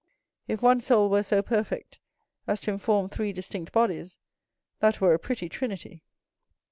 If one soul were so perfect as to inform three distinct bodies, that were a pretty trinity.